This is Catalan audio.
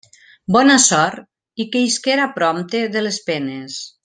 Bona sort i que isquera prompte de les penes!